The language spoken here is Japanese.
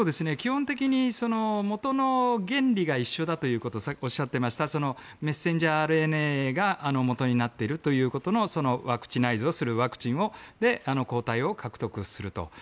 基本的に元の原理が一緒だということをおっしゃっていましたメッセンジャーＲＮＡが元になっているということのワクチナイズをするワクチンで抗体を獲得すると。